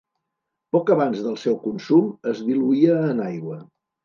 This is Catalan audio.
Poc abans del seu consum, es diluïa en aigua.